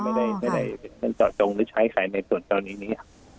ไม่ได้จอดจงหรือใช้ขายในส่วนเจ้านี้นี้